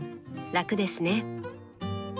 楽ですね。